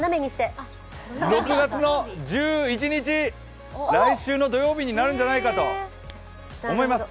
６月の１１日、来週の土曜日になるんじゃないかと思います。